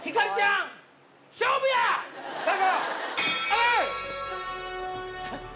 はい！